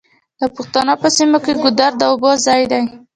د پښتنو په سیمو کې ګودر د اوبو ځای دی.